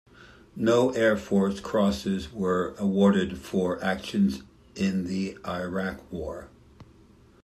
No Air Force Crosses were awarded for actions in the Iraq War.